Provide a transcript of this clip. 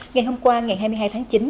ngày hôm qua ngày hai mươi hai tháng chín